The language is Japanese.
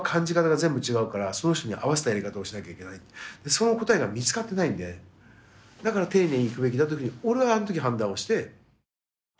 その答えが見つかってないんでだから丁寧にいくべきだというふうに俺はあの時判断をして。